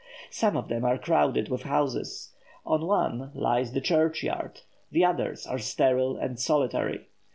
Some of them are crowded with houses; on one lies the church yard; the others are sterile and solitary.